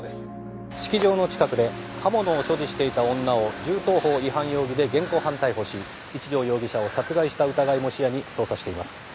式場の近くで刃物を所持していた女を銃刀法違反容疑で現行犯逮捕し一条容疑者を殺害した疑いも視野に捜査しています。